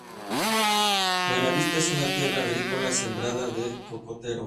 Buenavista es una tierra agrícola sembrada de cocoteros.